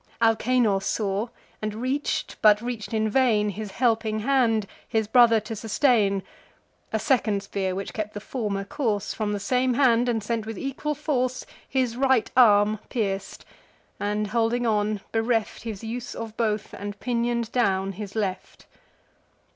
Alcanor saw; and reach'd, but reach'd in vain, His helping hand, his brother to sustain. A second spear, which kept the former course, From the same hand, and sent with equal force, His right arm pierc'd, and holding on, bereft His use of both, and pinion'd down his left.